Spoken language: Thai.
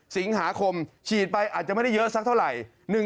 สิงหาคมฉีดไปอาจจะไม่ได้เยอะสักเท่าไหร่